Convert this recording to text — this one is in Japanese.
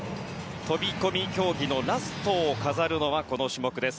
飛込競技のラストを飾るのはこの種目です。